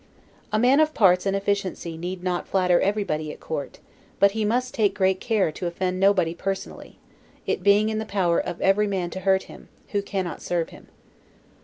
A man of parts and efficiency need not flatter everybody at court; but he must take great care to offend nobody personally; it being in the power of every man to hurt him, who cannot serve him.